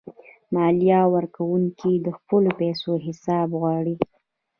مالیه ورکونکي د خپلو پیسو حساب غواړي.